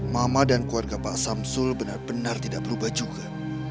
mama dan keluarga pak samsul benar benar tidak berubah juga